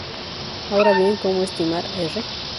Ahora bien, ¿cómo estimar "r"?